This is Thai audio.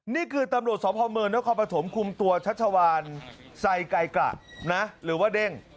นี่คือตำรวจสองพอร์มมือและคอปฐมคุมตัวชัชชาวารไซร์ไก่กระนะหรือว่าเด้ง